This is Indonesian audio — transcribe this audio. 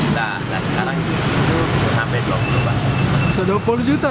nah sekarang itu sampai rp dua puluh